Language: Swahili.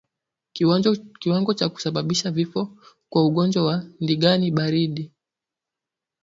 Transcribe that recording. Kiwango cha kusababisha vifo kwa ugonjwa wa ndigana baridi